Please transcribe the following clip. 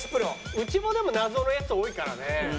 うちもでも謎のヤツ多いからね。